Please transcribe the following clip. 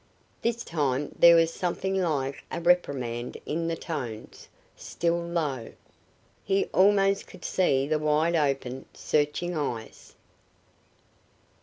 This time there was something like a reprimand in the tones, still low. He almost could see the wide open, searching eyes.